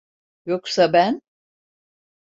Yoksa ben…